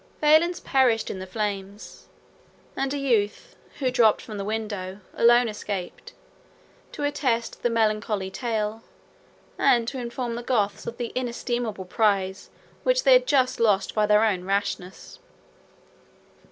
Valens perished in the flames; and a youth, who dropped from the window, alone escaped, to attest the melancholy tale, and to inform the Goths of the inestimable prize which they had lost by their own rashness.